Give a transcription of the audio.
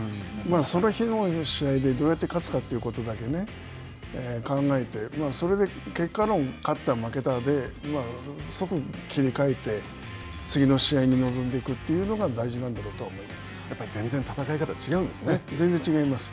その日の試合で、どうやって勝つかということだけね考えて、それで結果論勝った負けたで即切り替えて、次の試合に臨んでいくというのが大事なんだろうとやっぱり全然戦い方が違うんで全然違います。